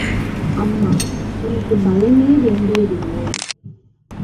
அம்மா, உனக்குப் பயமே வேண்டியதில்லை.